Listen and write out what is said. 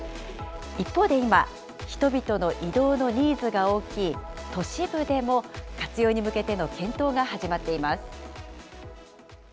一方で今、人々の移動のニーズが大きい都市部でも、活用に向けての検討が始まっています。